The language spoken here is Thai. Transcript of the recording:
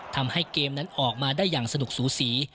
ทำให้เกมนั้นออกมาได้อย่างสนุกสูสี